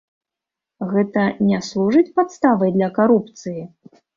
Гэта не служыць падставай для карупцыі?